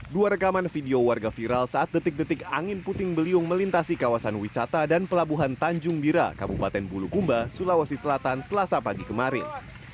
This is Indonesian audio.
dua rekaman video warga viral saat detik detik angin puting beliung melintasi kawasan wisata dan pelabuhan tanjung bira kabupaten bulukumba sulawesi selatan selasa pagi kemarin